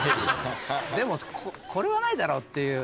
でもこれはないだろうっていう。